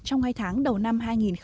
trong hai tháng đầu năm hai nghìn hai mươi